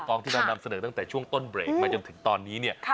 ที่เรานำเสนอตั้งแต่ช่วงต้นเบรกมาจนถึงตอนนี้เนี่ย